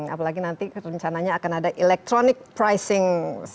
apalagi nanti rencananya akan ada electronic pricing